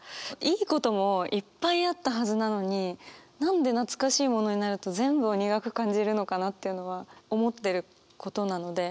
いいこともいっぱいあったはずなのに何で懐かしいものになると全部を苦く感じるのかなっていうのは思ってることなので。